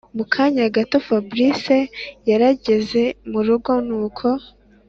mukanya gato fabric yarageze murugo nuko